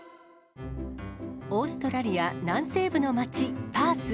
オーストラリア南西部の街、パース。